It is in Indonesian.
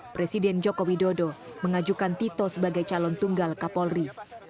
presiden joko widodo mengajukan tito sebagai calon tunggal kapolri